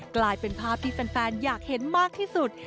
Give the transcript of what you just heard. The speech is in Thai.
กลายเป็นภาพที่แฟนอยากเห็นมากที่สุด